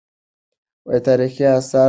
تاریخي آثار د هغې نقش تاییدوي.